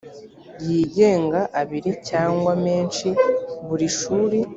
yigenga abiri cyangwa menshi buri shuri